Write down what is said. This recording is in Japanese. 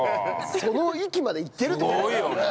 その域までいってるって事だよね。